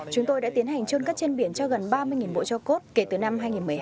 chúng tôi đã tiến hành trôn cất trên biển cho gần ba mươi bộ cho cốt kể từ năm hai nghìn một mươi hai